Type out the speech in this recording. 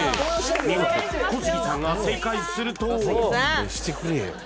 見事小杉さんが正解すると小杉さん勘弁してくれよ